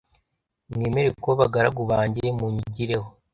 Mwemere kuba abagaragu banjye munyigireho,